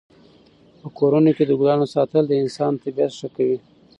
په کورونو کې د ګلانو ساتل د انسان طبعیت ښه کوي.